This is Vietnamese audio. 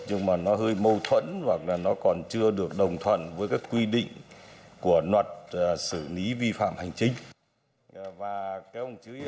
nhưng mà nó hơi mâu thuẫn hoặc là nó còn chưa được đồng thuận với các quy định của luật xử lý vi phạm hành chính